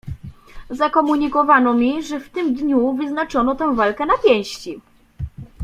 "Zakomunikowano mi, że w tym dniu wyznaczono tam walkę na pięści."